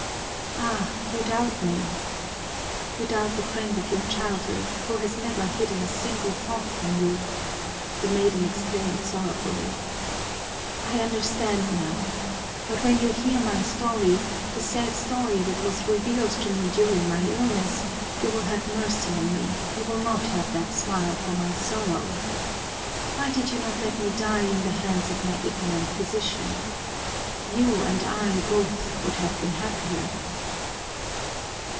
"Ah, you doubt me! You doubt the friend of your childhood, who has never hidden a single thought from you!" the maiden exclaimed sorrowfully. "I understand now! But when you hear my story, the sad story that was revealed to me during my illness, you will have mercy on me, you will not have that smile for my sorrow. Why did you not let me die in the hands of my ignorant physician? You and I both would have been happier!"